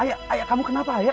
ayah ayah kamu kenapa ayah